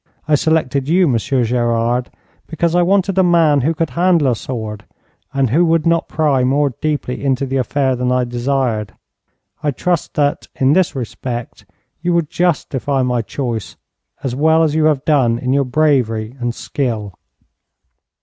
I selected you, Monsieur Gerard, because I wanted a man who could handle a sword, and who would not pry more deeply into the affair than I desired. I trust that, in this respect, you will justify my choice as well as you have done in your bravery and skill.'